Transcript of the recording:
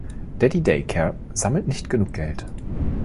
Daddy Day Care sammelt nicht genug Geld.